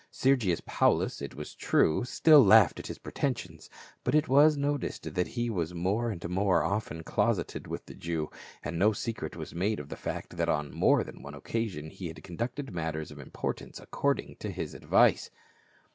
Sergius Paulus, it was true, still laughed at his pretensions, but it was noticed that he was more and more often closeted with the Jew, and no secret was made of the fact that on more than one occasion he had conducted matters of im portance according to his advice.